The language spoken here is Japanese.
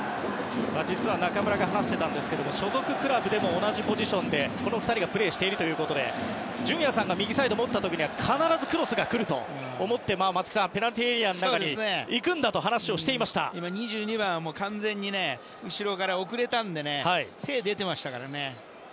実は中村が話していましたが所属クラブでも同じポジションで、この２人がプレーしているということで純也さんが右サイドで持った時にクロスが来ると思ってペナルティーエリアに今、２２番は完全に後ろから遅れたので手が出ていましたね。